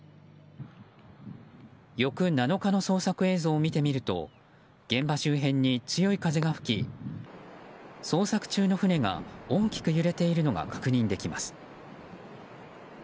翌７日の捜索映像を見てみると現場周辺に強い風が吹き捜索中の船が大きく揺れているのが確認できます。